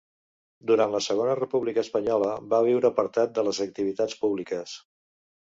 Durant la Segona República Espanyola va viure apartat de les activitats públiques.